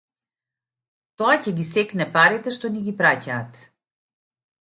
Тоа ќе ги секне парите што ни ги праќаат